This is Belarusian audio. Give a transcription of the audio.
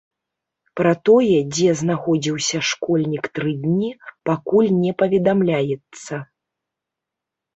Пра тое, дзе знаходзіўся школьнік тры дні, пакуль не паведамляецца.